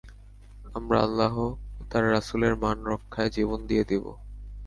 আমরা আল্লাহ ও তাঁর রাসূলের মান রক্ষায় জীবন দিয়ে দিব।